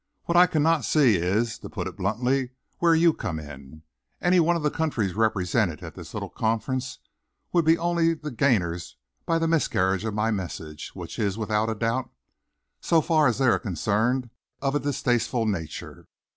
What I cannot see is, to put it bluntly, where you come in. Any one of the countries represented at this little conference would only be the gainers by the miscarriage of my message, which is, without doubt, so far as they are concerned, of a distasteful nature.